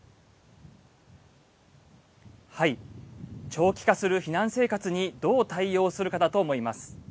長期化する避難生活にどう対応するかだと思います。